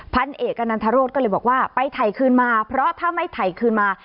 พันเอกอนันทรรศเร็วบอกว่าไปไถขึ้นมาเพราะถ้าไม่ไถขึ้นมา